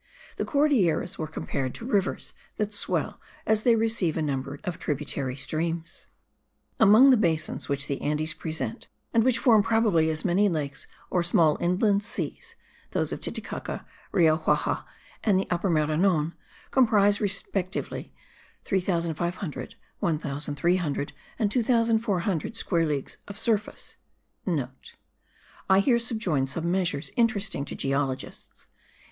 The Cordilleras were compared to rivers that swell as they receive a number of tributary streams. Among the basins which the Andes present, and which form probably as many lakes or small inland seas, those of Titicaca, Rio Jauja and the Upper Maranon, comprise respectively 3500, 1300, and 2400 square leagues of surface.* (* I here subjoin some measures interesting to geologists.